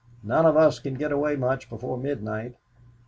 None of us can get away much before midnight."